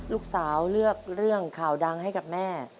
ลูกสาวเลือกเรื่องข่าวดังให้กับแม่